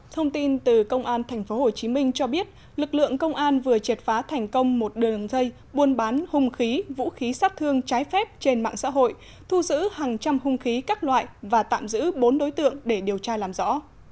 thông tin từ công an tp hcm cho biết lực lượng công an vừa triệt phá thành công một đường dây buôn bán hung khí vũ khí sát thương trái phép trên mạng xã hội thu giữ hàng trăm hung khí các loại và tạm giữ bốn đối tượng để điều tra làm rõ